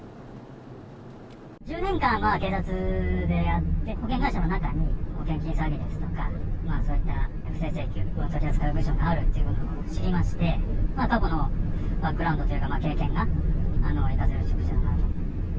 １０年間、警察でやって保険会社の中に保険金詐欺ですとか、そういった不正請求を取り扱う部署があるということを知りまして、過去のバックグラウンドというか、経験が生かせる職種だなと。